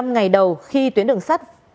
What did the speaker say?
một mươi năm ngày đầu khi tuyến đường sát